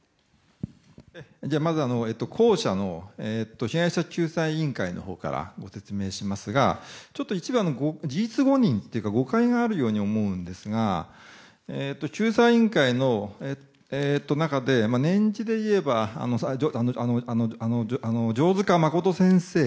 まず、後者の被害者救済委員会のほうからご説明しますが一部、事実誤認というか誤解があるように思うんですが救済委員会の中で年次でいえば、定塚誠先生